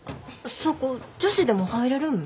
そこ女子でも入れるん？